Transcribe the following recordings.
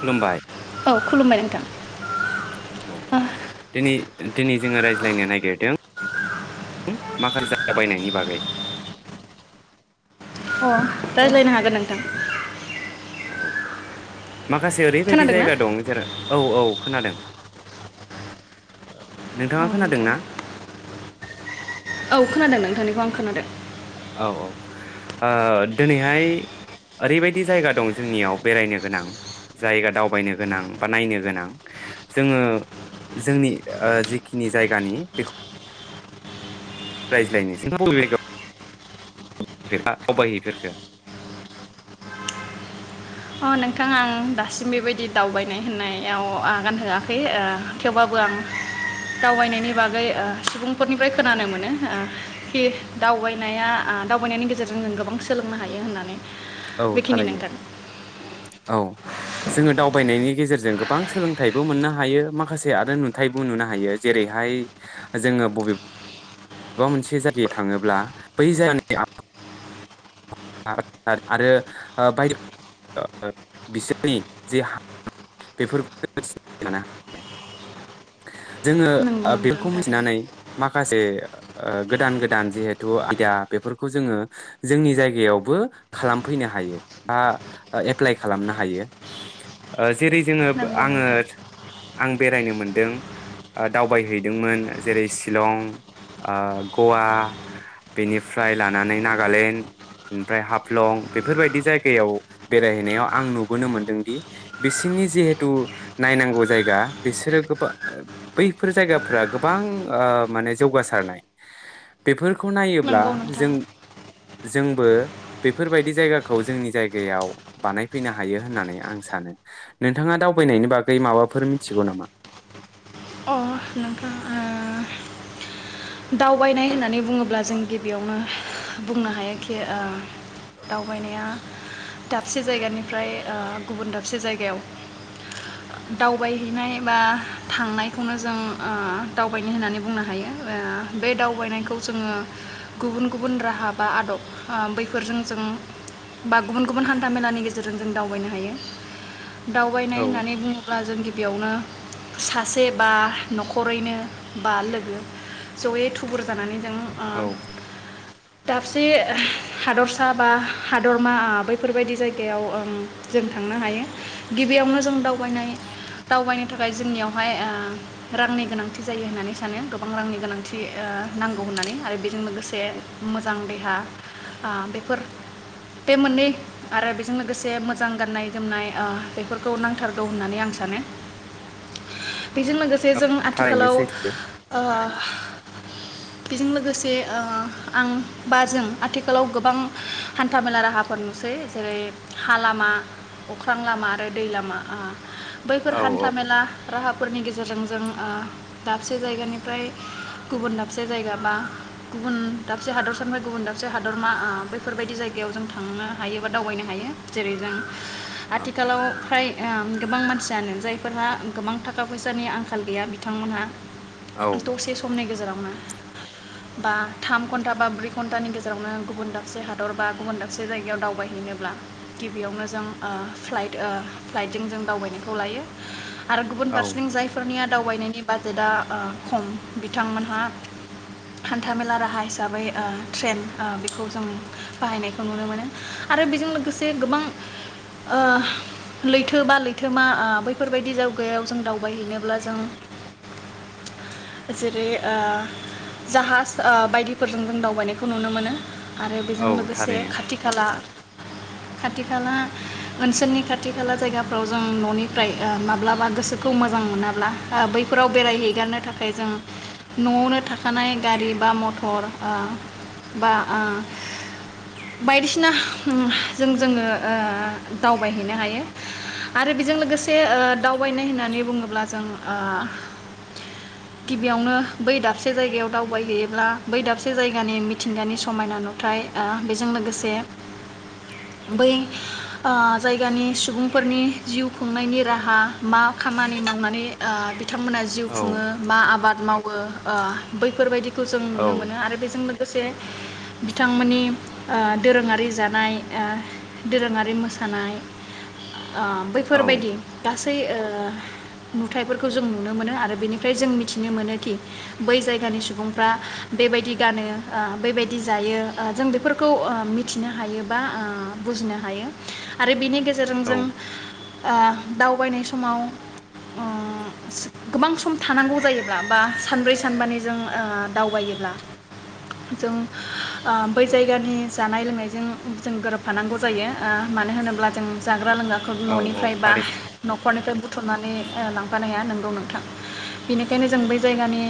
खुलुमबाय औ खुलुमबाय नोंथां औ अ दिनै दिनै जोङो रायज्लायनो नागिरदों [unintelligible] नायनि बागै अ रायज्लायनो हागोन नोंथां औ माखासे ओरैबायदि खोनादों ना जायगा दं जेराव औ औ खोनादों औ नोंथाङा खोनादों नोंथां ना औ खोनादों नोंथांनिखौ आं खोनादों औ ओ दिनैहाय ओरैबायदि जायगा दं जोंनियाव बेरायनो गोनां जायगा दावबायनो गोनां बा नायनो गोनां जोङो जोंनि ओ जिखिनि जायगानि बेखौ रायज्लायनोसै बबे जायगायाव दावबायहैफेरखो अ नोंथाङा आं दासिम बेबायदि दावबायनाय होननायाव आगान होआखै ओ थेवबाबो आं दावबायनायनि बागै ओ सुबुंफोरनिफ्राय खोनानो मोनो खि दावबायनाया दावबायनायनि गेजेरजों जों गोबां सोलोंनो हायो होननानै औ बेखिनि थारैनो नोंथां औ जोङो दावबायनायनि गेजेरजों गोबां सोलोंथाइबो मोननो हायो माखासे आरो नुथायबो नुनो हायो जेरैहाय जोङो बबे बा मोनसे जायगायाव थाङोब्ला बै जायगानि [unintelligible] जोङो नंगौ आ नोंथां बेफोरखौ थारैनो मिथिनानै माखासे ओ गोदान गोदान जिहेथु आयदा बेफोरखौ जोङो जोंनि जायगा जायगायावबो खालामफैनो हायो बा एप्लाइ खालामनो हायो ओ जेरै जोङो नंगौ आङो नोंथां आं बेरायनो मोनदों दावबायहैदोंमोन जेरै शिलं गवा बेनिफ्राय लानानै नागालेण्ड ओनिफ्राय हाफ्लं बेफोरबायदि जायगायाव बेरायहैनायाव आं नुबोनो मोनदोंदि बिसिोरनि जिहेथु नायनांगौ जायगा बिसोरो गोबां बैफोर जायगाफोरा गोबां आ माने जौगासारनाय बेफोर नायोब्ला नंगौ नोंथां जों जों बो बेफोरबायदि जायगाखौ जोंनि जायगायाव बानायफैनो हायो होननानै आं सानो नोंथाङा दावबायनायनि बागै माबाफोर मिथिगौ नामा [unintelligible] दावबायनाय होननानै बुङोब्ला जों गिबियावनो बुंनो हायो खि ओ दावबायनाया दाबसे जायगानिफ्राय ओ गुबुन दाबसे जायगायाव दावबायहैनाय बा थांनायखौनो जों ओ दावबायनाय होननानै जों बुंनो हायो आ बे दावबायनायखौ जोङो गुबुन गुबुन राहा बा आदब आ बैफोरजों जों बा गुबुन गुबुन हान्थामेलानि गेजेरजों जों दावबायनो हायो दावबायनाय औ होननानै बुङोब्ला जों बेयावनो सासे बा न'खरैनो बा लोगो ज'यै थुबुर जानानै जों ओ औ दाबसे हादरसा बा हादरमा बैफोरबायदि जायगायाव जों थांनो हायो गिबियावनो जों दाव नाय दावबायनाय थाखाय जोंनियावहाय ओ रांनि गोनांथि जायो होननानै सानो गोबां रांनि गोनांथि थि ओ नांगौ होननानै आरो बेजों लोगोसे मोजां देहा आ बेफोर बे मोननै आरो बेजों लोगोसे मोजां गाननाय जोमनाय ओ बेफोरखौ नांथारगौ होननानै आं सानो बेजों लोगोसे जों थारैनो आथिखालाव सैथो आ बेजों लोगोसे ओ आं बाजों आथिखालाव गोबां हान्था मेला राहाफोर नुसै जेरै हा लामा अख्रां लामा आरो दै लामा ओ बैफोर औ हान्था औ मेला राहाफोरनि गेजेरजों जों ओ दाबसे जायगानिफ्राय गुबुन दाबसे जायगा बा गुबुन दाबसे हादरसानिफ्राय गुबुन दाबसे हादरमा ओ बैफोरबायदि जायगायाव जों थांनो हायो बा दावबायनो हायो जेरै जों आथिखालाव फ्राय आ गोबां मानसियानो जायफोरहा गोबां थाखा फैसानि आंखाल गैया बिथांमोनहा औ द'सेसमनि गेजे गेरावनो बा थाम घन्टा बा ब्रै घन्टानि गेजेरावनो गुबुन दाबसे हादर बा गुबुन दाबसे जायगायाव दावबायहैनोब्ला गिबियावनो जों ओ फ्लाइट ओ फ्लाइटजों जों दावबायनायखौ लायो आरो गुबुन औ फारसेथिं जायफोरनिया दावबायनायनि बाजेटआ ओ खम बिथांमोन हान्थामेला राहा हिसाबै ट्रेेन ओ बेखौ जों बाहायनायखौ नुनो मोनो आरो बेजों लोगोसे गोबां लैथो बा लैथोमा ओ बैफोरबायदि जावगायाव जों दावबायहैनोब्ला जों जेरै ओ जाहाज ओ बायदिफोरजों जों दावबायनायखौ नुनो मोनो आरो बेजों औ लोगोसे थारैनो खाथि खाला खाथि खाला ओनसोलनि खाथि खाला जायगाफ्राव जों न'निफ्राय ओ माब्लाबा गोसोखौ मोजां मोनाब्ला बै न फोराव बेरायहैगारनो थाखाय जों न'आवनो थाखानाय गारि बा मथर ओ बा ओ बायदिसिना जों जोङो ओ दावबायहैनो हायो आरो बेजों लोगोसे ओ दाव बायनाय होननानै बुङोब्ला जों ओ गिबियावनो बै दाबसे जायगायाव दावबायहैयोब्ला बै दाबसे जायगानि मिथिंगानि समायना नुथाइ ओ बेजों लोगोसे बै ओ जायगानि सुबुंफोरनि जिउ खुंनायनि राहा मा खामानि मावनानै ओ बिथांमोना जिउ औ खुङो बा आबाद मा ओ बैफोरबायदिखौ जों औ नुनो मोनो आरो बेजों लोगोसे बिथांमोननि ओ दोरोङारि जानाय ओ दोरोङारि मोसानाय ओ औ बैफोरबायदि गासै गासै ओ नुथायाइफोरखौ जों नुनो मोनो आरो बेनिफ्राय जों मिथिनो मोनो खि बै जायगानि सुबुंफ्रा बेबायदि गानो ओ बेबायदि जायो ओ जों बेफोरखौ ओ मिथिनो हायो बा ओ बुजिनो हायो आरो बेनि गेजे रनों जों औ ओ दावबायनाय समाव ओ गोबां सम थानांगौ जायोब्ला बा सानब्रै सानबानि जों ओ दावबायोब्ला जों ओ बै जायगानि जानाय लोंनायजों जों गोरोबफानांगौ जायो ओ मानो होनोब्ला जों जा जाग्रा लोंग्राखौ औ औ न'निफ्राय बा थारैनो नखरनिफ्राय बुथुमनानै ओ लांफानो हाया नोंगौ नोंथां बेनिखायनो जों बै जायगानि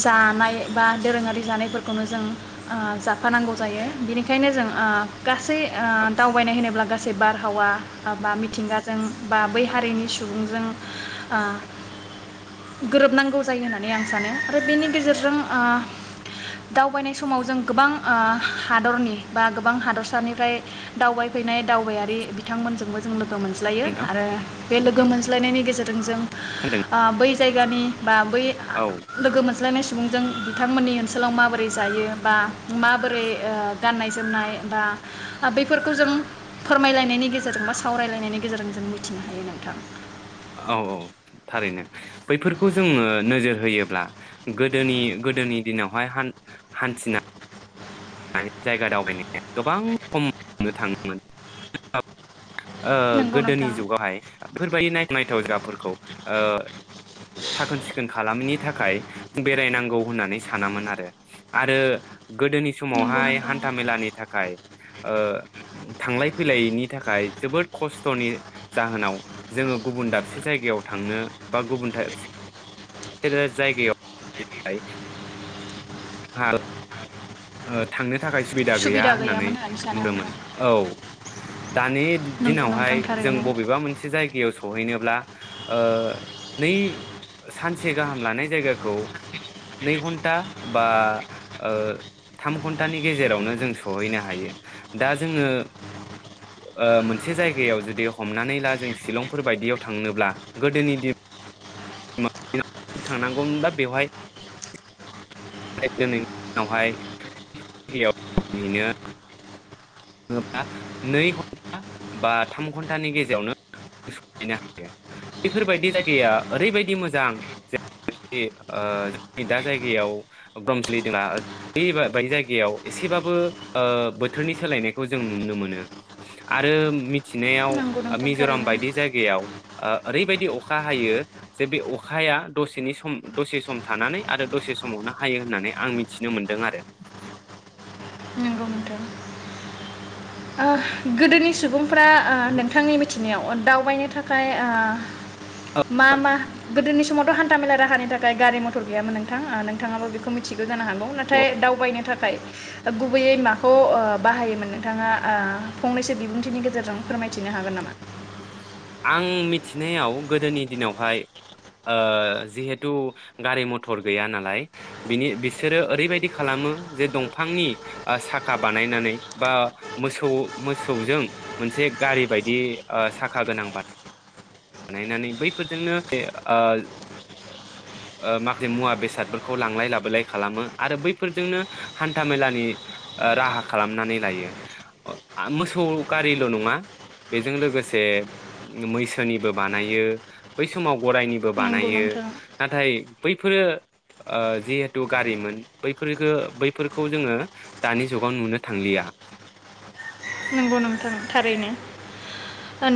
जानाय बा दोरोङारि जानायफोरखौनो जों ओ जाफानांगौ जायो बिनिखायनो जों ओ गासै ओ दावबायनाय होनोब्ला गासै बारहावा बा मिथिंगाजों बा बै हारिनि सुबुंजों ओ गोरोबनांगौ जायो होननानै आं सानो आरो बेनि गेजेरजों ओ दावबायनाय समाव जों गोबां ओ हादरनि बा गोबां हादरसानिफ्राय दावबायफैनाय दावबायारि बिथांमोनजोंबो जों लो लोगो मोनज्लायो नोंथां आरो बे लोगो मोन लायनायनि गेजेरजों जों खोनादों ओ बै जायगानि बा बै औ लोगो मोन ज्लायनाय सुबुंजों बिथांमोननि ओनसोलाव माबोरै जायो बा माबोरै ओ गाननाय जोमनाय बा बेफोरखौ जों फोरमायलायनायनि गेजेरजों बा सावरायलायनायनि गेजेरजों जों मिथिनो हायो नोंथां औ औ थारैनो बैफोरखौ जोंनो नोजोर होयोब्ला गोदोनि गोदोनि दिनावहाय हान- हान्थिना जायगा दावबायनाया गोबां खम नुनो थाङोमोन ओ नंगौ गोदोनि नोंथां जुगावहाय बेफोरबायदि नायथाव जायगाफोरखौ साखोन सिखोन खालामैनि थाखाय बेरायनांगौ होननानै सानामोन आरो आरो गोदोनि नंगौ समावहाय नोंथां हान्थामेलानि थाखाय ओ थांलाय फैलायनि थाखाय जोबोद खस्थ'नि जाहोनाव जोङो गुबुन दाबसे जायगायाव थांनो बा गुबुन दाबसे जायगायाव हाल ओ थांनो थाखाय सुबिदा गैया होननानै गैयामोन सानो बुंदोंमोन आं औ दानि नोंगौ दिनावहाय नोंथां जों थारैनो बबेबा मोनसे जायगायाव सहैनोब्ला ओ नै सानसे गाहाम लानाय जायगाखौ नै घन्टा बा थाम घन्टानि गेजेरावनो जों सहैनो हायो दा जोङो ओ मोनसे जायगायाव जुदि हमनानै ला जों शिलंफोर बायदियाव थांनोब्ला गोदोनि दिन [unintelligible] थांनांगौमोनब्ला बेवहाय [unintelligible] [unintelligible] बा नै घन्टा बा थाम घन्टानि‌ गेजेरावनो बेफोरबायदि जायगाया ओरैबायदि मोजां [unintelligible] एसेबाबो बोथोरनि सोलायनायखौ खौ जों नुनो मोनो आरो मिथिनायाव नंगौ नोंथां मिज'राम थारैनो बायदि जायगायाव ओरैबायदि अखा हायो जे बे अखाया दसेनि सम दसे सम थानानै आरो दसे समावनो हायो होननानै आं मिथिनो मोनदों आरो नंगौ नोंथां ओ गोदोनि सुबुं फ्रा ओ नोंथांनि मिथिनायाव दावबायनो थाखाय ओ मा मा गोदोनि समावथ' हान्था मेला राहानि थाखाय गारि मथर गैयामोन नोंथां नोंथाङाबो बेखौ मिथिगौ जानो हागौ औ नाथाय दावबायनो थाखाय गुबैयै माखौ ओ बाहायोमोन नोंथाङा ओ फंनैसो बिबुंथिनि गेजेरजों फोरमायथिनो हागोन नामा आं मिथिनायाव गोदोनि दिनावहाय ओ जिहेथु गारि मथर गैया नालाय बिनि बिसोरो ओरैबायदि खालामो जे दंफांनि साखा बानायनानै बा मोसौ मोसौजों मोनसे गारि बायदि ओ साखा गोनां बाय बानायनानै बैफोरजोंनो ओ ओ माखासे मुवा बेसादफोरखौ लांलाय लाबोलाय खालामो आरो बैफोरजोंनो हान्था मेलानि राहा खालामनानै लायो मोसौ गारिल' नङा बेजों लोगोसे मैसो निबो बानायो बै समाव गरायनि बो नंगौ बानायो नोंथां नाथाय बैफोरो ओ जिहेथु गारिमोन बैफोरफोरखौ बैफोरखौ जोङो दानि जुगाव नुनो थांलिया। नंगौ नोंथां थारैनो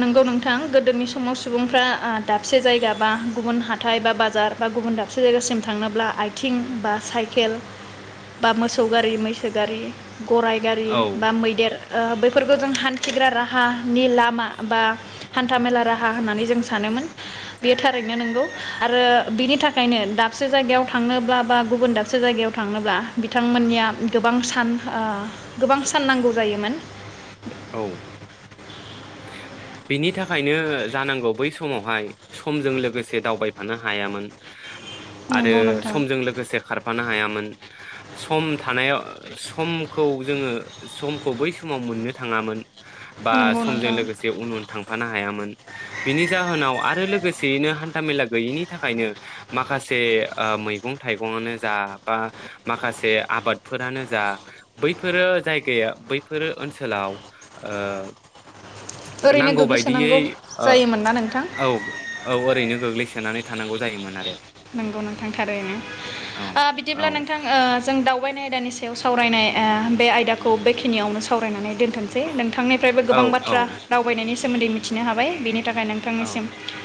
नंगौ नोंथां गोदोनि समाव सुबुंफ्रा ओ दाबसे जायगा बा गुबुन हााइ बा बाजार बा गुबुन दाबसे जायगासिम थांनोब्ला आथिं बा साइकेल बा मोसौ गारि मैसो गारि गराइ गारि औ बा मैदेर ओ फोरफोरखौ जों हान्थिग्रा राहानि लामा बा हान्थाामेला राहा होननानै जों सानोमोन बेयो थारैनो नंगौ आरो बिनि थाखायनो दाबसे जायगायाव थांनोब्ला बा गुबुन दाबसे जायगायाव थांनोब्ला बिथांमोननिया गोबां सान ओ गोबां सान नांगौ जायोमोन। औ बिनि थाखायनो जानांगौ बै समावहाय समजों लोगोसे दावबायफानो हायामोन। आरो नंगौ नोंथां समजों लोगोसे खारफानो हायामोन। सम थानायाव समखौ जोङो समखौ बै समाव मोननो थाङामोन। बा नंगौ समजों नोंथां लोगोसे उन उन थांफानो हायामोन। बिनि जाहोनाव आरो लोगोसेयैनो हान्थाामेला गैयैनि थाखायनो माखासे ओ मैगं थाइगंआनो जा बा माखासे आबादफोरानो जा बैफोरो जायगाया बैफोर ओनसोल ओनसोलाव ओ ओरैनो नांगौ बायदियै गोग्लैसोनांगौ औ जायोमोन ना नोंथां औ ओरैनो गोग्लैसो सोनानै थानांगौ जायोमोन आरो। नंगौ नोंथां थारैनो औ ओ औ बिदिब्ला नोंथां ओ जों दावबायनाय दानि सायाव सावरायनाय ओ बे आयदाखौ बेखिनियावनो सावरायनानै दोन थसै नोंथांनिफ्रायबो औ गोबां औ बाथ्रा दावबायनायनि सोमोन्दै मिथिनो हाबाय बेनि थाखाय औ नोंथांनिसिम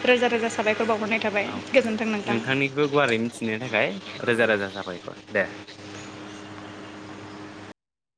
रोजा रोजा फोर बावहरनाय थाबाय औ गोजोन्थों नोंथां। नोंथांनिखौ गुवारै मिथिनो थाखाय रोजा रोजा साबायखर दे।